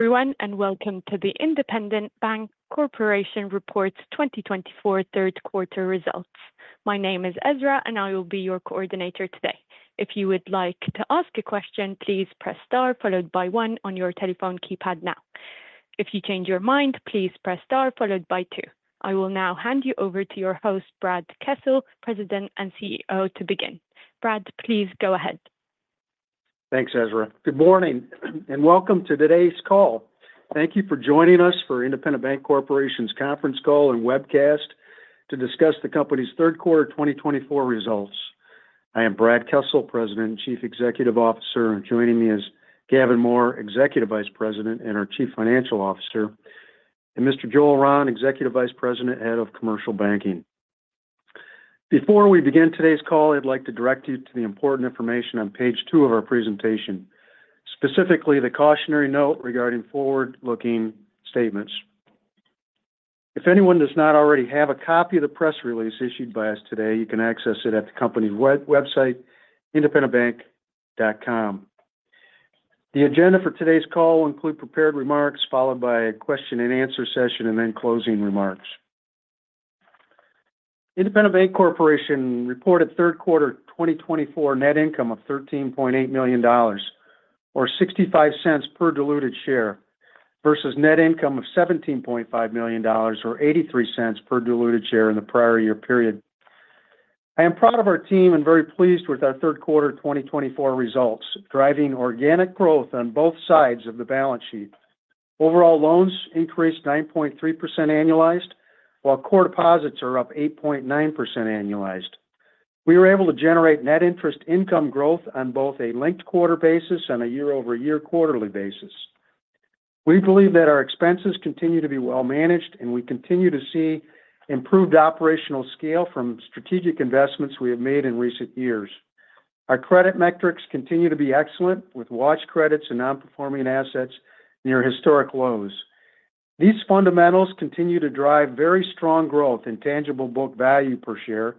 Everyone, and welcome to the Independent Bank Corporation reports 2024 third quarter results. My name is Ezra, and I will be your coordinator today. If you would like to ask a question, please press Star followed by one on your telephone keypad now. If you change your mind, please press Star followed by two. I will now hand you over to your host, Brad Kessel, President and CEO, to begin. Brad, please go ahead. Thanks, Ezra. Good morning, and welcome to today's call. Thank you for joining us for Independent Bank Corporation's conference call and webcast to discuss the company's third quarter twenty twenty-four results. I am Brad Kessel, President and Chief Executive Officer, and joining me is Gavin Mohr, Executive Vice President and our Chief Financial Officer, and Mr. Joel Rahn, Executive Vice President, Head of Commercial Banking. Before we begin today's call, I'd like to direct you to the important information on page two of our presentation, specifically the cautionary note regarding forward-looking statements. If anyone does not already have a copy of the press release issued by us today, you can access it at the company website, independentbank.com. The agenda for today's call will include prepared remarks, followed by a question and answer session, and then closing remarks. Independent Bank Corporation reported third quarter 2024 net income of $13.8 million, or $0.65 per diluted share, versus net income of $17.5 million or $0.83 per diluted share in the prior year period. I am proud of our team and very pleased with our third quarter 2024 results, driving organic growth on both sides of the balance sheet. Overall loans increased 9.3% annualized, while core deposits are up 8.9% annualized. We were able to generate net interest income growth on both a linked quarter basis and a year-over-year quarterly basis. We believe that our expenses continue to be well managed, and we continue to see improved operational scale from strategic investments we have made in recent years. Our credit metrics continue to be excellent, with watch credits and non-performing assets near historic lows. These fundamentals continue to drive very strong growth in tangible book value per share,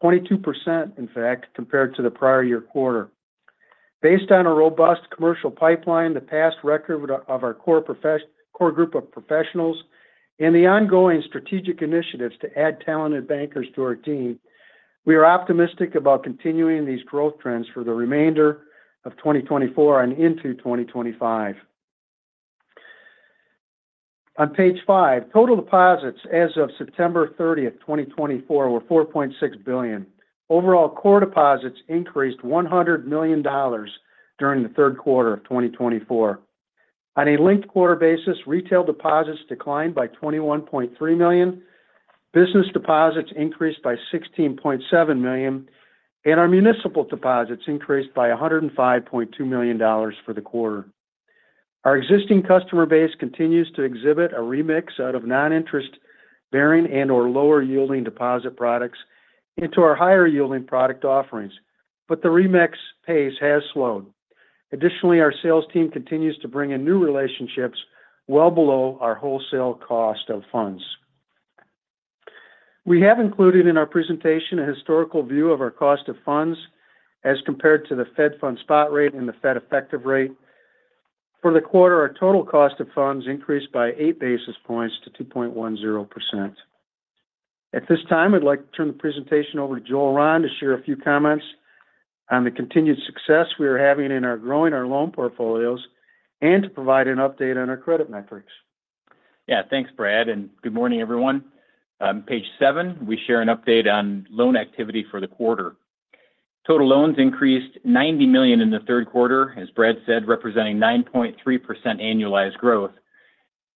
22%, in fact, compared to the prior year quarter. Based on a robust commercial pipeline, the past record of our core group of professionals, and the ongoing strategic initiatives to add talented bankers to our team, we are optimistic about continuing these growth trends for the remainder of 2024 and into 2025. On page five, total deposits as of September 30, 2024, were $4.6 billion. Overall, core deposits increased $100 million during the third quarter of 2024. On a linked quarter basis, retail deposits declined by $21.3 million, business deposits increased by $16.7 million, and our municipal deposits increased by $105.2 million for the quarter. Our existing customer base continues to exhibit a remix out of non-interest bearing and/or lower-yielding deposit products into our higher-yielding product offerings, but the remix pace has slowed. Additionally, our sales team continues to bring in new relationships well below our wholesale cost of funds. We have included in our presentation a historical view of our cost of funds as compared to the Fed Funds spot rate and the Fed Effective rate. For the quarter, our total cost of funds increased by eight basis points to 2.10%. At this time, I'd like to turn the presentation over to Joel Rahn to share a few comments on the continued success we are having in our growing our loan portfolios and to provide an update on our credit metrics. Yeah. Thanks, Brad, and good morning, everyone. Page seven, we share an update on loan activity for the quarter. Total loans increased $90 million in the third quarter, as Brad said, representing 9.3% annualized growth.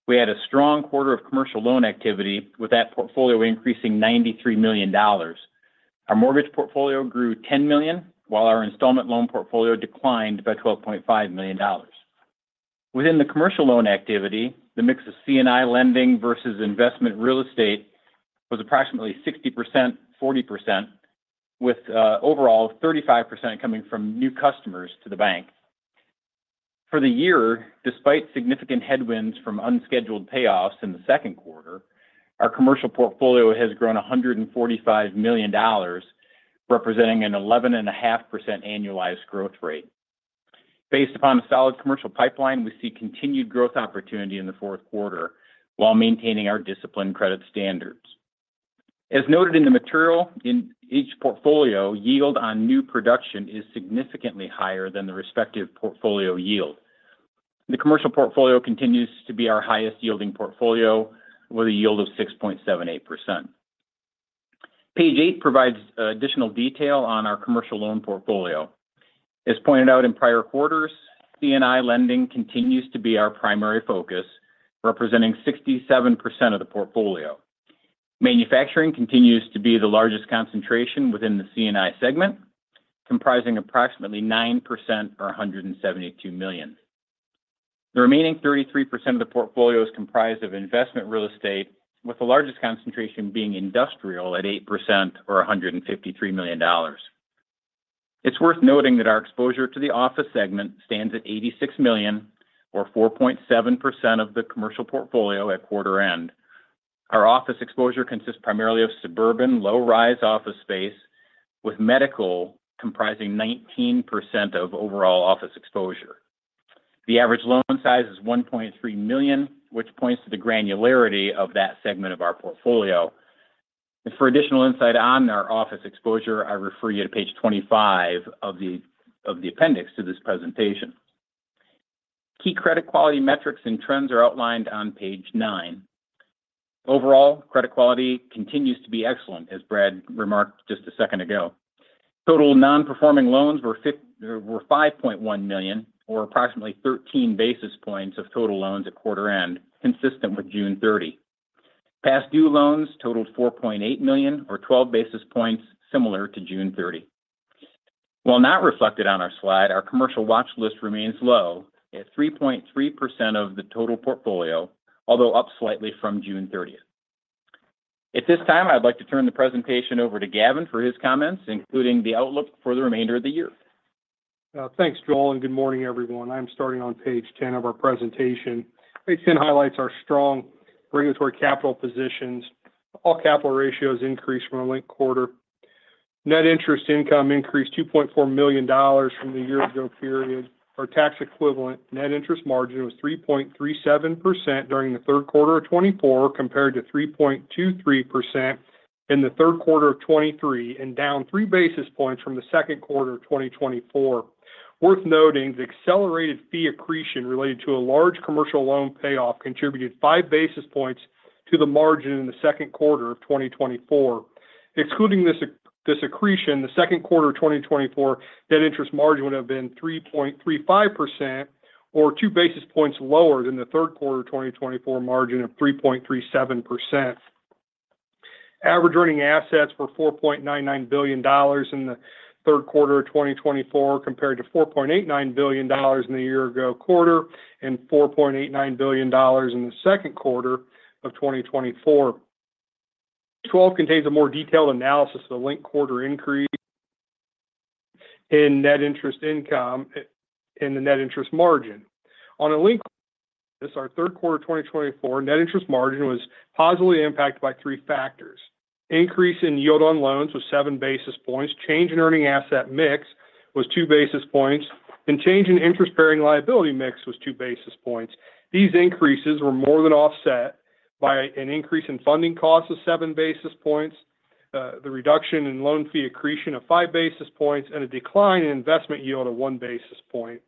We had a strong quarter of commercial loan activity, with that portfolio increasing $93 million. Our mortgage portfolio grew $10 million, while our installment loan portfolio declined by $12.5 million. Within the commercial loan activity, the mix of C&I lending versus investment real estate was approximately 60%, 40%, with overall 35% coming from new customers to the bank. For the year, despite significant headwinds from unscheduled payoffs in the second quarter, our commercial portfolio has grown $145 million, representing an 11.5% annualized growth rate. Based upon a solid commercial pipeline, we see continued growth opportunity in the fourth quarter while maintaining our disciplined credit standards. As noted in the material, in each portfolio, yield on new production is significantly higher than the respective portfolio yield. The commercial portfolio continues to be our highest-yielding portfolio, with a yield of 6.78%. Page eight provides additional detail on our commercial loan portfolio. As pointed out in prior quarters, C&I lending continues to be our primary focus, representing 67% of the portfolio. Manufacturing continues to be the largest concentration within the C&I segment, comprising approximately 9% or $172 million. The remaining 33% of the portfolio is comprised of investment real estate, with the largest concentration being industrial at 8% or $153 million. It's worth noting that our exposure to the office segment stands at $86 million or 4.7% of the commercial portfolio at quarter end. Our office exposure consists primarily of suburban low-rise office space, with medical comprising 19% of overall office exposure. The average loan size is $1.3 million, which points to the granularity of that segment of our portfolio. For additional insight on our office exposure, I refer you to page 25 of the appendix to this presentation. Key credit quality metrics and trends are outlined on page 9. Overall, credit quality continues to be excellent, as Brad remarked just a second ago. Total non-performing loans were $5.1 million, or approximately 13 basis points of total loans at quarter end, consistent with June 30. Past due loans totaled $4.8 million, or 12 basis points, similar to June 30. While not reflected on our slide, our commercial watch list remains low at 3.3% of the total portfolio, although up slightly from June 30th. At this time, I'd like to turn the presentation over to Gavin for his comments, including the outlook for the remainder of the year. Thanks, Joel, and good morning, everyone. I'm starting on page ten of our presentation. Page ten highlights our strong regulatory capital positions. All capital ratios increased from the linked quarter. Net interest income increased $2.4 million from the year ago period. Our tax equivalent net interest margin was 3.37% during the third quarter of 2024, compared to 3.23% in the third quarter of 2023, and down three basis points from the second quarter of 2024. Worth noting, the accelerated fee accretion related to a large commercial loan payoff contributed five basis points to the margin in the second quarter of 2024. Excluding this accretion, the second quarter of 2024 net interest margin would have been 3.35% or two basis points lower than the third quarter of 2024 margin of 3.37%. Average earning assets were $4.99 billion in the third quarter of 2024, compared to $4.89 billion in the year-ago quarter and $4.89 billion in the second quarter of 2024. Twelve contains a more detailed analysis of the linked quarter increase in net interest income and the net interest margin. On a linked quarter, this our third quarter of 2024, net interest margin was positively impacted by three factors. Increase in yield on loans was seven basis points, change in earning asset mix was two basis points, and change in interest-bearing liability mix was two basis points. These increases were more than offset by an increase in funding costs of seven basis points, the reduction in loan fee accretion of five basis points, and a decline in investment yield of one basis point.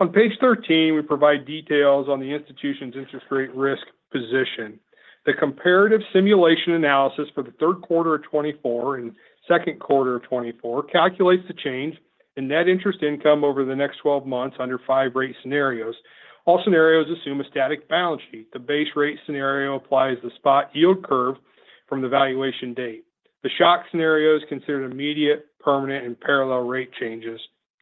On page thirteen, we provide details on the institution's interest rate risk position. The comparative simulation analysis for the third quarter of 2024 and second quarter of 2024 calculates the change in net interest income over the next twelve months under five rate scenarios. All scenarios assume a static balance sheet. The base rate scenario applies the spot yield curve from the valuation date. The shock scenario is considered immediate, permanent, and parallel rate changes.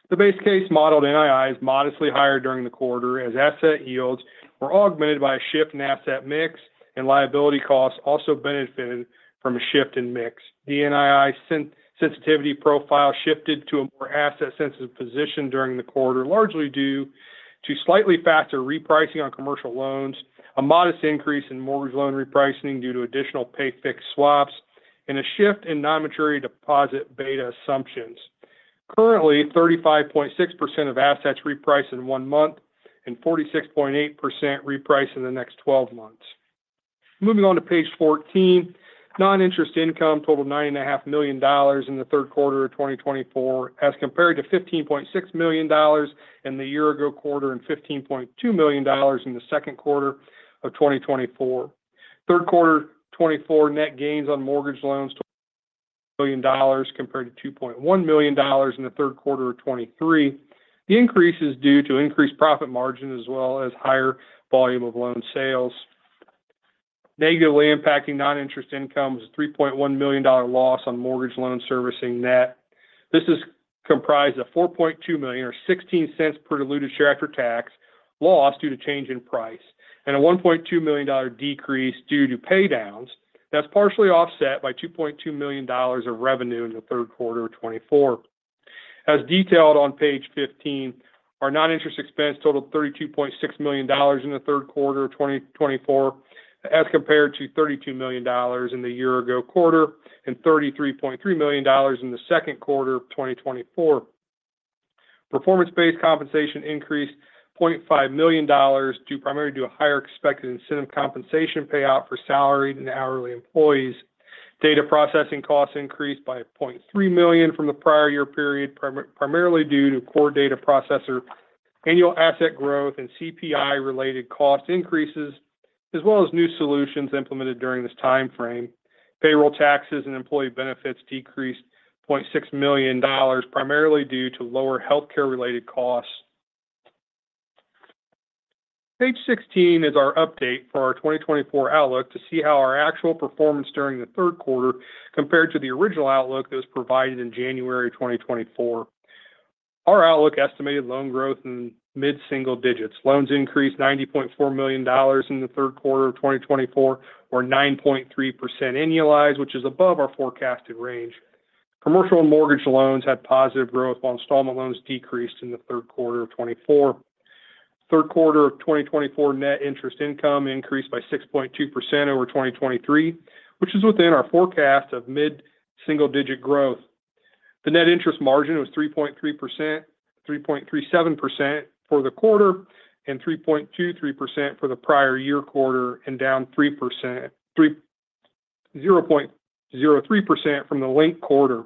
The base case modeled NII is modestly higher during the quarter, as asset yields were augmented by a shift in asset mix and liability costs also benefited from a shift in mix. The NII sensitivity profile shifted to a more asset-sensitive position during the quarter, largely due to slightly faster repricing on commercial loans, a modest increase in mortgage loan repricing due to additional pay-fixed swaps, and a shift in non-maturity deposit beta assumptions. Currently, 35.6% of assets reprice in one month and 46.8% reprice in the next twelve months. Moving on to page 14, non-interest income totaled $9.5 million in the third quarter of 2024, as compared to $15.6 million in the year ago quarter and $15.2 million in the second quarter of 2024. Third quarter 2024 net gains on mortgage loans $3 million, compared to $2.1 million in the third quarter of 2023. The increase is due to increased profit margin as well as higher volume of loan sales. Negatively impacting non-interest income was a $3.1 million loss on mortgage loan servicing net. This is comprised of $4.2 million or $0.16 per diluted share after-tax loss due to change in price, and a $1.2 million decrease due to paydowns. That's partially offset by $2.2 million of revenue in the third quarter of 2024. As detailed on page fifteen, our non-interest expense totaled $32.6 million in the third quarter of 2024, as compared to $32 million in the year ago quarter and $33.3 million in the second quarter of 2024. Performance-based compensation increased $0.5 million, due primarily to a higher expected incentive compensation payout for salaried and hourly employees. Data processing costs increased by $0.3 million from the prior year period, primarily due to core data processor, annual asset growth, and CPI-related cost increases, as well as new solutions implemented during this timeframe. Payroll taxes and employee benefits decreased $0.6 million, primarily due to lower healthcare-related costs. Page sixteen is our update for our 2024 outlook to see how our actual performance during the third quarter compared to the original outlook that was provided in January 2024. Our outlook estimated loan growth in mid-single digits. Loans increased $90.4 million in the third quarter of 2024, or 9.3% annualized, which is above our forecasted range. Commercial and mortgage loans had positive growth, while installment loans decreased in the third quarter of 2024. Third quarter 2024 net interest income increased by 6.2% over 2023, which is within our forecast of mid-single-digit growth. The net interest margin was 3.3%, 3.37% for the quarter, and 3.23% for the prior year quarter, and down 0.03% from the linked quarter.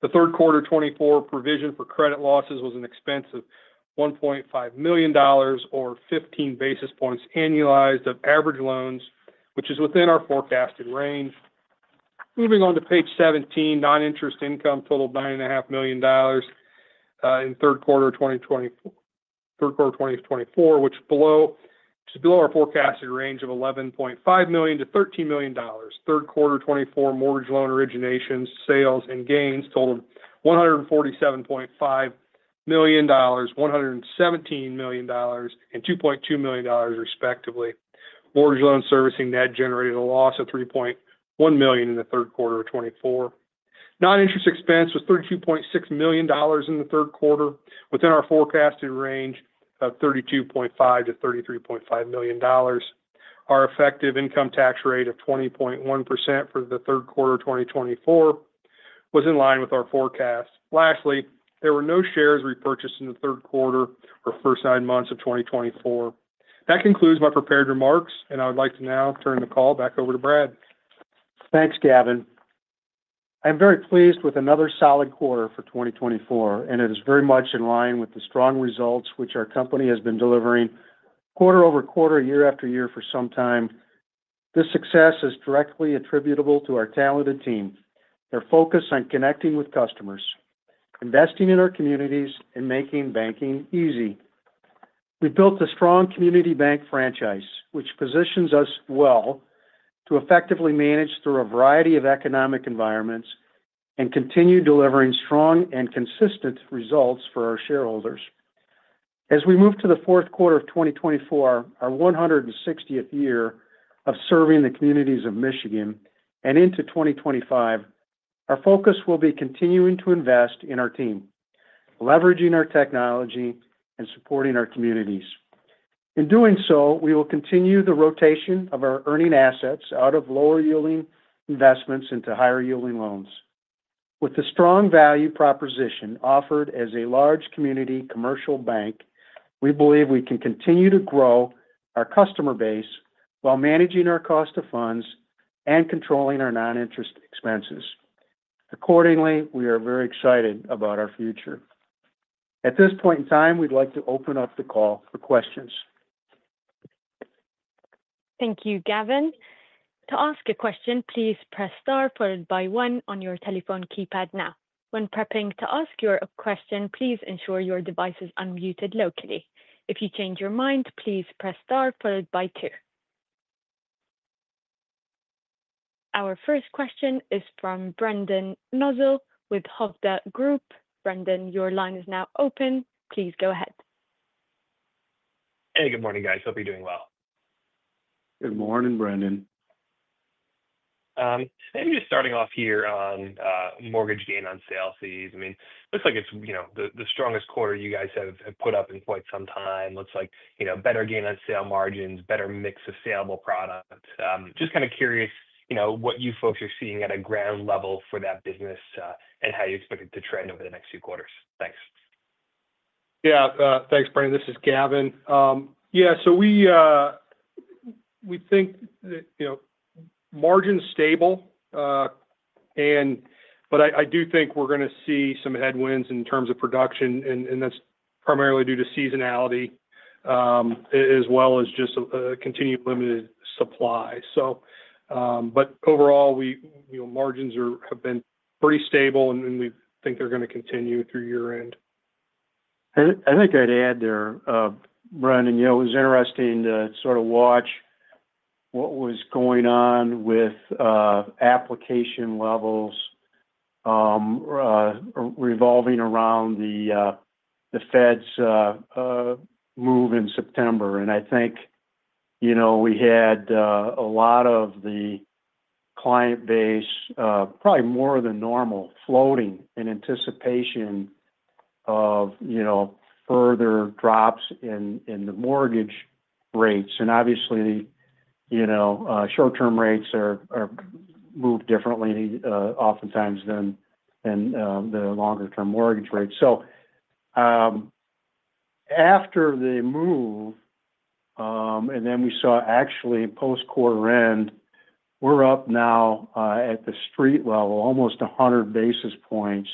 The third quarter 2024 provision for credit losses was an expense of $1.5 million or fifteen basis points annualized of average loans, which is within our forecasted range. Moving on to page 17, non-interest income totaled $9.5 million in third quarter 2024, which is below our forecasted range of $11.5 million-$13 million. Third quarter 2024 mortgage loan originations, sales and gains totaled $147.5 million, $117 million, and $2.2 million, respectively. Mortgage loan servicing net generated a loss of $3.1 million in the third quarter 2024. Non-interest expense was $32.6 million in the third quarter, within our forecasted range of $32.5-$33.5 million. Our effective income tax rate of 20.1% for the third quarter 2024 was in line with our forecast. Lastly, there were no shares repurchased in the third quarter or first nine months of twenty twenty-four. That concludes my prepared remarks, and I would like to now turn the call back over to Brad. Thanks, Gavin. I'm very pleased with another solid quarter for twenty twenty-four, and it is very much in line with the strong results which our company has been delivering quarter over quarter, year after year for some time. This success is directly attributable to our talented team, their focus on connecting with customers, investing in our communities, and making banking easy. We built a strong community bank franchise, which positions us well to effectively manage through a variety of economic environments and continue delivering strong and consistent results for our shareholders. As we move to the fourth quarter of twenty twenty-four, our one hundred and sixtieth year of serving the communities of Michigan and into twenty twenty-five, our focus will be continuing to invest in our team, leveraging our technology and supporting our communities. In doing so, we will continue the rotation of our earning assets out of lower-yielding investments into higher-yielding loans. With the strong value proposition offered as a large community commercial bank, we believe we can continue to grow our customer base while managing our cost of funds and controlling our non-interest expenses. Accordingly, we are very excited about our future. At this point in time, we'd like to open up the call for questions. Thank you, Gavin. To ask a question, please press Star followed by One on your telephone keypad now. When prepping to ask your question, please ensure your device is unmuted locally. If you change your mind, please press Star followed by Two. Our first question is from Brendan Nosal with Hovde Group. Brendan, your line is now open. Please go ahead. Hey, good morning, guys. Hope you're doing well. Good morning, Brendan. Maybe just starting off here on mortgage gain on sale fees. I mean, looks like it's, you know, the strongest quarter you guys have put up in quite some time. Looks like, you know, better gain on sale margins, better mix of saleable products. Just kind of curious, you know, what you folks are seeing at a ground level for that business, and how you expect it to trend over the next few quarters. Thanks. Yeah, thanks, Brendan. This is Gavin. Yeah, so we think that, you know, margin's stable, and but I do think we're going to see some headwinds in terms of production, and that's primarily due to seasonality, as well as just continued limited supply. So, but overall, we, you know, margins are, have been pretty stable, and we think they're going to continue through year-end. I think I'd add there, Brendan, you know, it was interesting to sort of watch what was going on with application levels revolving around the Fed's move in September. And I think, you know, we had a lot of the client base probably more than normal, floating in anticipation of, you know, further drops in the mortgage rates. And obviously, you know, short-term rates are moved differently oftentimes than the longer-term mortgage rates. So, after the move, and then we saw actually post-quarter end, we're up now at the street level, almost a hundred basis points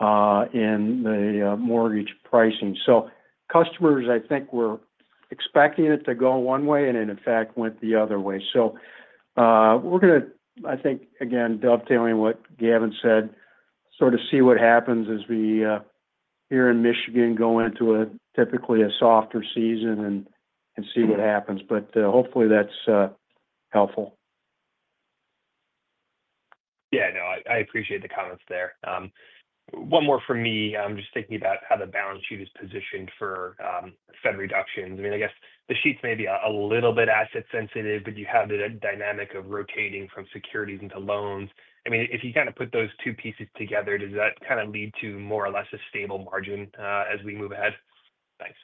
in the mortgage pricing. So customers, I think, were expecting it to go one way, and it, in fact, went the other way. We're going to, I think, again, dovetailing what Gavin said, sort of see what happens as we here in Michigan go into a typically softer season and see what happens. But hopefully that's helpful. Yeah. No, I appreciate the comments there. One more from me. I'm just thinking about how the balance sheet is positioned for Fed reductions. I mean, I guess the sheets may be a little bit asset sensitive, but you have the dynamic of rotating from securities into loans. I mean, if you kind of put those two pieces together, does that kind of lead to more or less a stable margin as we move ahead? Thanks.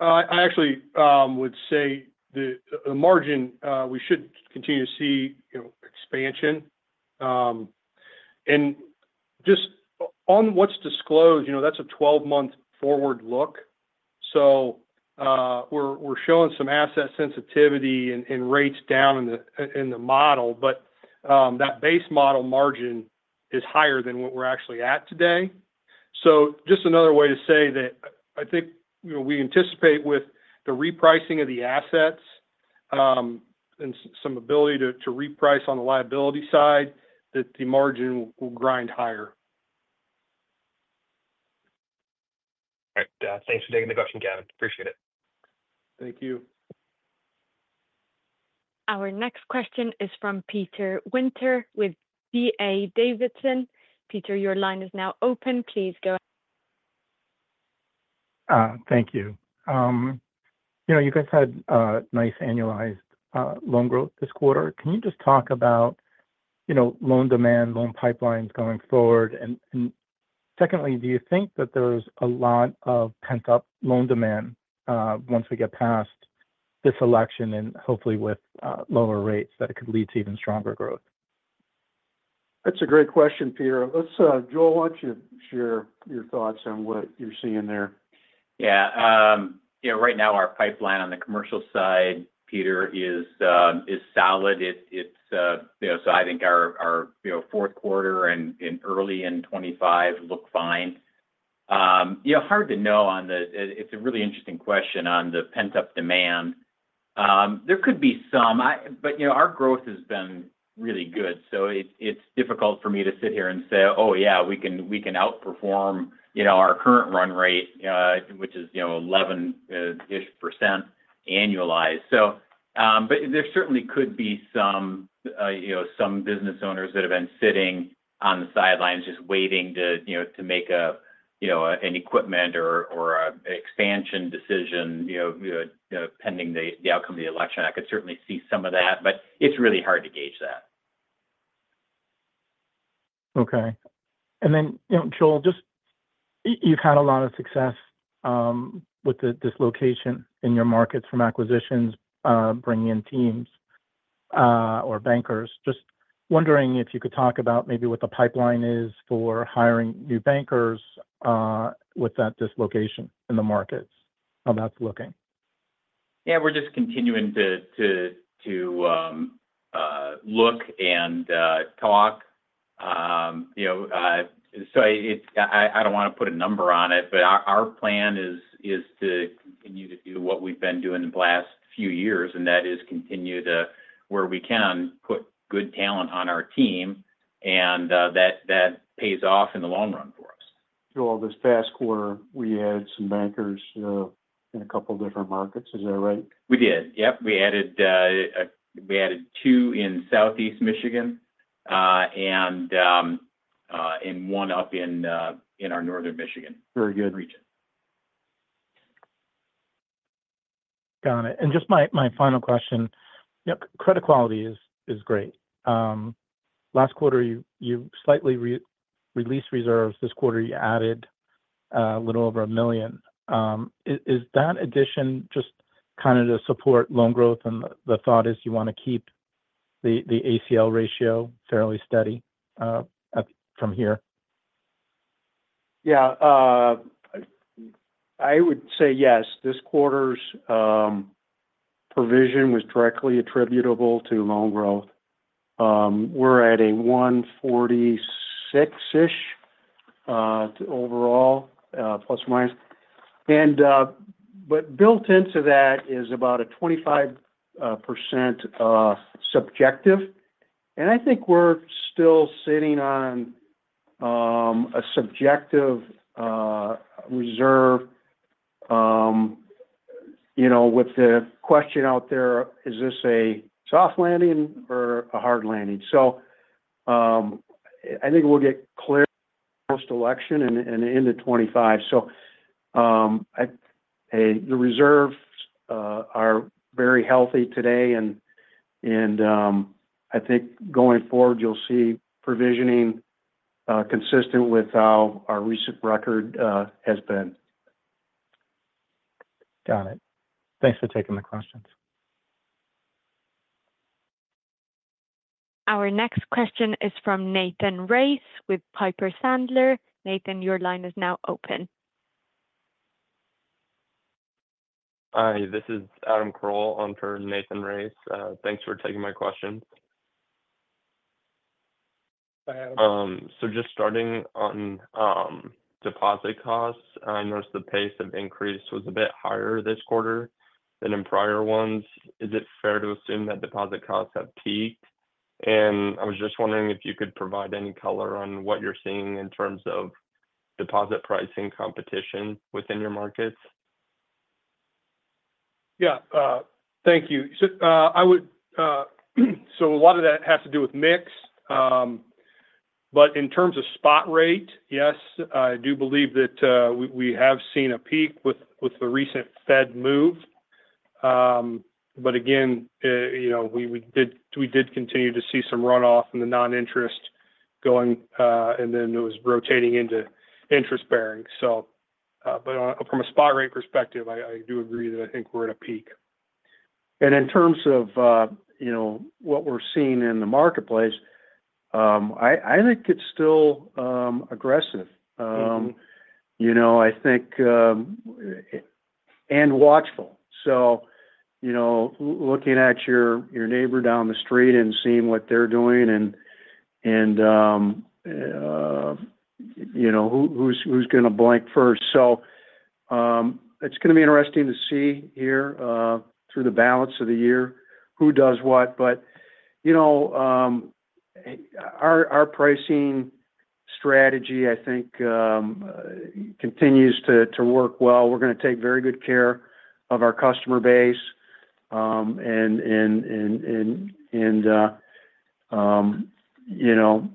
I actually would say the margin we should continue to see, you know, expansion. And just on what's disclosed, you know, that's a twelve-month forward look. So, we're showing some asset sensitivity and rates down in the model, but that base model margin is higher than what we're actually at today. So just another way to say that I think, you know, we anticipate with the repricing of the assets and some ability to reprice on the liability side, that the margin will grind higher. All right. Thanks for taking the question, Gavin. Appreciate it. Thank you. Our next question is from Peter Winter with D.A. Davidson. Peter, your line is now open. Please go ahead. Thank you. You know, you guys had a nice annualized loan growth this quarter. Can you just talk about, you know, loan demand, loan pipelines going forward? And secondly, do you think that there's a lot of pent-up loan demand once we get past this election and hopefully with lower rates, that it could lead to even stronger growth? That's a great question, Peter. Let's, Joel, why don't you share your thoughts on what you're seeing there? Yeah, you know, right now, our pipeline on the commercial side, Peter, is solid. It's you know, so I think our you know, fourth quarter and early in 2025 look fine. Yeah, hard to know. It's a really interesting question on the pent-up demand. There could be some. But, you know, our growth has been really good, so it's difficult for me to sit here and say, "Oh, yeah, we can outperform, you know, our current run rate," which is, you know, 11 ish % annualized. So, but there certainly could be some, you know, some business owners that have been sitting on the sidelines just waiting to, you know, to make a, you know, an equipment or a expansion decision, you know, pending the outcome of the election. I could certainly see some of that, but it's really hard to gauge that. Okay. And then, you know, Joel, just you've had a lot of success with the dislocation in your markets from acquisitions, bringing in teams or bankers. Just wondering if you could talk about maybe what the pipeline is for hiring new bankers with that dislocation in the markets, how that's looking. Yeah, we're just continuing to look and talk. You know, so it's-- I don't want to put a number on it, but our plan is to continue to do what we've been doing the last few years, and that is continue to, where we can, put good talent on our team, and that pays off in the long run for us. Joel, this past quarter, we added some bankers, in a couple different markets. Is that right? We did. Yep. We added two in Southeast Michigan, and one up in our Northern Michigan. Very good region. Got it. And just my final question. You know, credit quality is great. Last quarter, you slightly released reserves. This quarter, you added a little over $1 million. Is that addition just kind of to support loan growth, and the thought is you want to keep the ACL ratio fairly steady from here? Yeah, I would say yes. This quarter's provision was directly attributable to loan growth. We're at a 146-ish overall, plus or minus, but built into that is about 25% subjective, and I think we're still sitting on a subjective reserve. You know, with the question out there, is this a soft landing or a hard landing, so I think we'll get clear post-election and into 2025, so the reserves are very healthy today, and I think going forward, you'll see provisioning consistent with how our recent record has been. Got it. Thanks for taking the questions. Our next question is from Nathan Race with Piper Sandler. Nathan, your line is now open. Hi, this is Adam Carroll on for Nathan Race. Thanks for taking my question. Hi, Adam. So just starting on deposit costs, I noticed the pace of increase was a bit higher this quarter than in prior ones. Is it fair to assume that deposit costs have peaked? And I was just wondering if you could provide any color on what you're seeing in terms of deposit pricing competition within your markets. Yeah, thank you. So, I would so a lot of that has to do with mix. But in terms of spot rate, yes, I do believe that we have seen a peak with the recent Fed move. But again, you know, we did continue to see some runoff in the non-interest-bearing, and then it was rotating into interest-bearing. So, but, from a spot rate perspective, I do agree that I think we're at a peak. And in terms of, you know, what we're seeing in the marketplace, I think it's still aggressive. Mm-hmm. You know, I think, and watchful. So, you know, looking at your neighbor down the street and seeing what they're doing, and you know, who's gonna blink first? So, it's gonna be interesting to see here through the balance of the year who does what. But, you know, our pricing strategy, I think, continues to work well. We're gonna take very good care of our customer base. And, you know,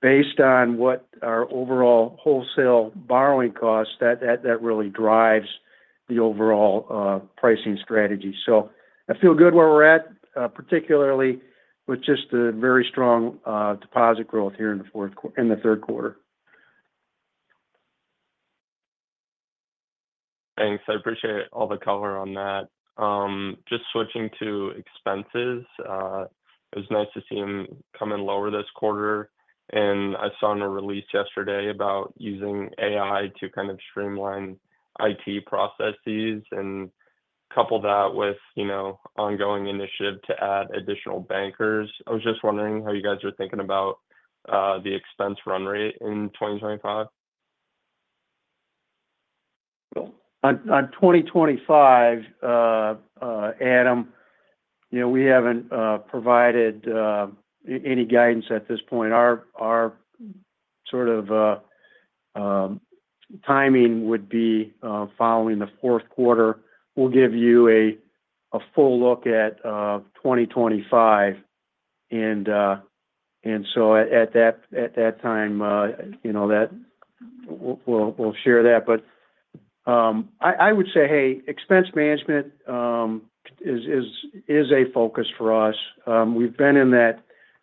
based on what our overall wholesale borrowing costs, that really drives the overall pricing strategy. So I feel good where we're at, particularly with just the very strong deposit growth here in the third quarter. Thanks. I appreciate all the color on that. Just switching to expenses, it was nice to see them come in lower this quarter, and I saw in a release yesterday about using AI to kind of streamline IT processes and couple that with, you know, ongoing initiative to add additional bankers. I was just wondering how you guys are thinking about the expense run rate in twenty twenty-five. In 2025, Adam, you know, we haven't provided any guidance at this point. Our sort of timing would be following the fourth quarter. We'll give you a full look at 2025, and so at that time, you know, we'll share that. But I would say, hey, expense management is a focus for us. We've been in that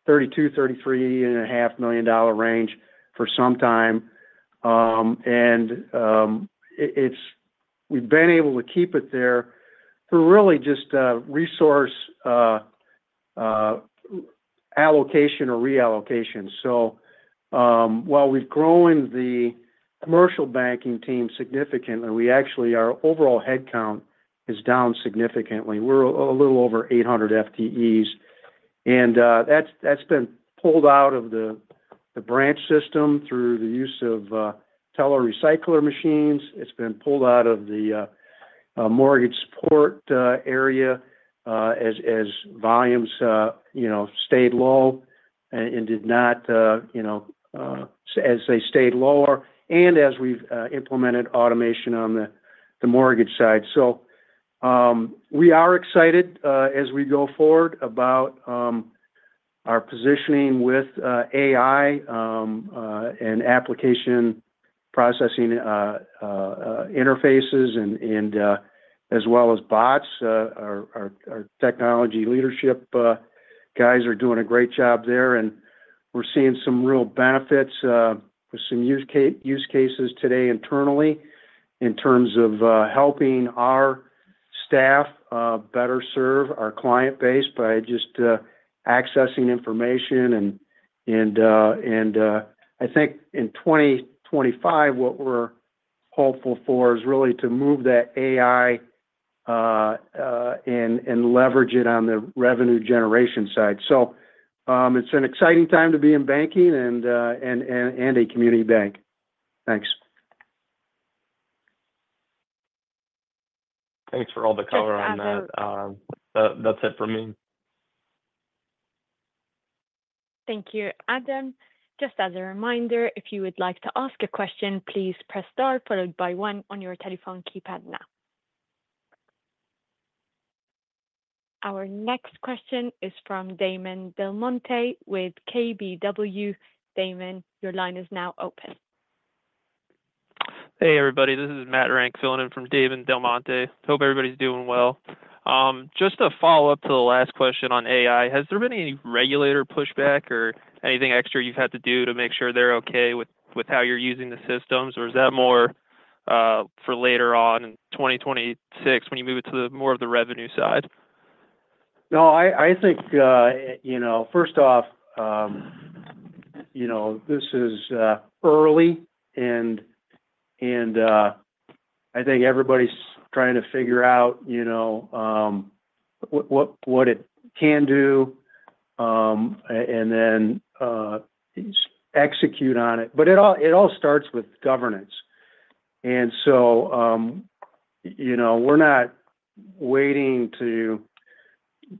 $32-$33.5 million range for some time, and it's. We've been able to keep it there through really just resource allocation or reallocation. So while we've grown the commercial banking team significantly, we actually. Our overall head count is down significantly. We're a little over 800 FTEs, and that's been pulled out of the branch system through the use of teller recycler machines. It's been pulled out of the mortgage support area, as volumes you know stayed low and did not you know. As they stayed lower and as we've implemented automation on the mortgage side. So we are excited as we go forward about our positioning with AI and application processing interfaces and as well as bots. Our technology leadership guys are doing a great job there, and we're seeing some real benefits with some use cases today internally in terms of helping our staff better serve our client base by just accessing information. I think in 2025, what we're hopeful for is really to move that AI and leverage it on the revenue generation side, so it's an exciting time to be in banking and a community bank. Thanks. Thanks for all the color on that. Just as a- That's it for me. Thank you, Adam. Just as a reminder, if you would like to ask a question, please press Star followed by One on your telephone keypad now. Our next question is from Damon Del Monte with KBW. Damon, your line is now open. Hey, everybody. This is Matt Renck filling in from Damon Del Monte. Hope everybody's doing well. Just a follow-up to the last question on AI. Has there been any regulator pushback or anything extra you've had to do to make sure they're okay with, with how you're using the systems? Or is that more, for later on in 2026, when you move it to the more of the revenue side? No, I think, you know, first off, you know, this is early, and I think everybody's trying to figure out, you know, what it can do, and then execute on it. But it all starts with governance. And so, you know, we're not waiting to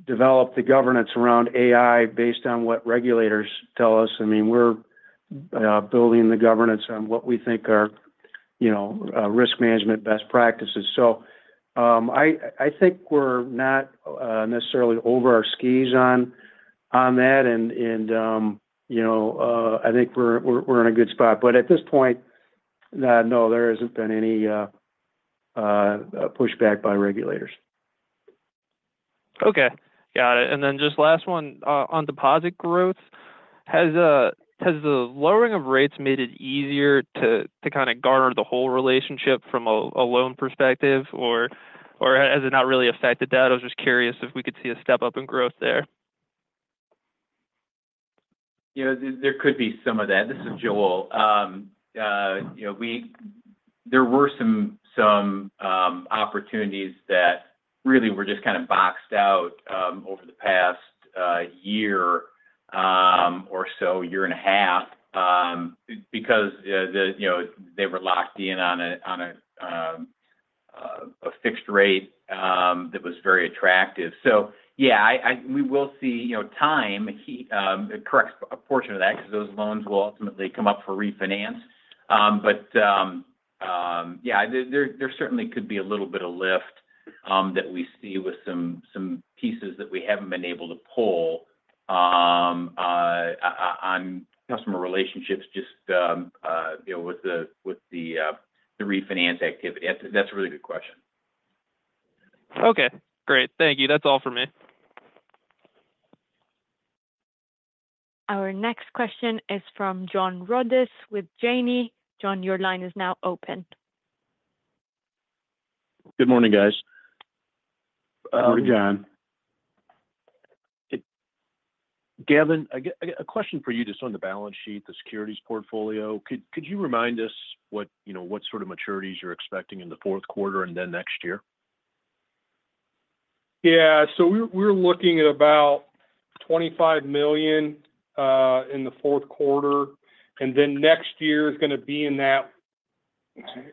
develop the governance around AI based on what regulators tell us. I mean, we're building the governance on what we think are, you know, risk management best practices. So, I think we're not necessarily over our skis on that, and you know, I think we're in a good spot. But at this point, no, there hasn't been any pushback by regulators. Okay, got it. And then just last one, on deposit growth. Has the lowering of rates made it easier to kind of garner the whole relationship from a loan perspective? Or has it not really affected that? I was just curious if we could see a step-up in growth there. You know, there could be some of that. This is Joel. You know, we, there were some opportunities that really were just kind of boxed out over the past year or so, year and a half, because you know they were locked in on a fixed rate that was very attractive. So yeah, I, we will see, you know, the heat correct a portion of that because those loans will ultimately come up for refinance. But yeah, there certainly could be a little bit of lift that we see with some pieces that we haven't been able to pull on customer relationships just you know with the refinance activity. That's a really good question. Okay, great. Thank you. That's all for me. Our next question is from John Rodis with Janney. John, your line is now open. Good morning, guys. Morning, John. Gavin, a question for you just on the balance sheet, the securities portfolio. Could you remind us what, you know, what sort of maturities you're expecting in the fourth quarter and then next year? Yeah. So we're looking at about $25 million in the fourth quarter, and then next year is going to be in that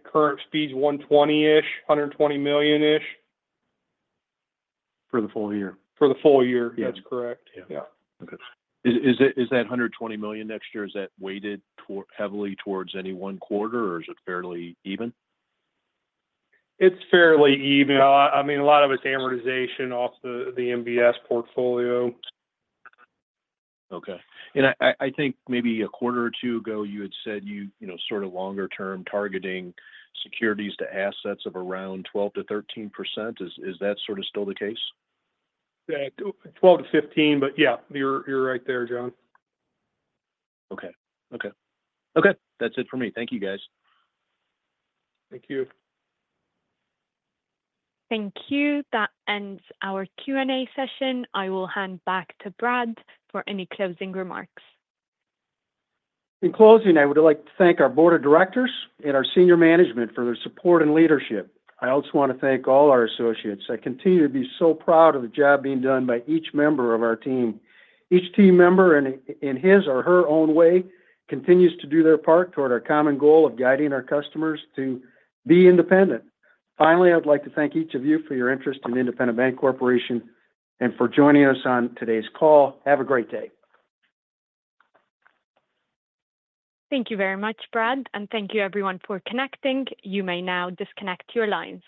current speed, 120-ish, $120 million-ish. For the full year? For the full year. Yeah. That's correct. Yeah. Yeah. Okay. Is that hundred and twenty million next year, is that weighted heavily towards any one quarter, or is it fairly even? It's fairly even. I mean, a lot of it's amortization off the MBS portfolio. Okay. And I think maybe a quarter or two ago, you had said you know, sort of longer term targeting securities to assets of around 12%-13%. Is that sort of still the case? Yeah. 12 to 15, but yeah, you're right there, John. Okay, that's it for me. Thank you, guys. Thank you. Thank you. That ends our Q&A session. I will hand back to Brad for any closing remarks. In closing, I would like to thank our board of directors and our senior management for their support and leadership. I also want to thank all our associates. I continue to be so proud of the job being done by each member of our team. Each team member in his or her own way continues to do their part toward our common goal of guiding our customers to be independent. Finally, I'd like to thank each of you for your interest in Independent Bank Corporation and for joining us on today's call. Have a great day. Thank you very much, Brad, and thank you everyone for connecting. You may now disconnect your lines.